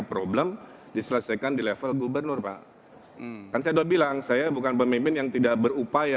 problem diselesaikan di level gubernur pak kan saya udah bilang saya bukan pemimpin yang tidak berupaya